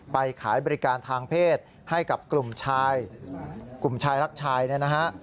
ไปขายบริการทางเพศให้กับกลุ่มชายรักชายนะฮะ